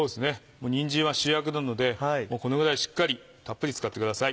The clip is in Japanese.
にんじんは主役なのでもうこのぐらいしっかりたっぷり使ってください。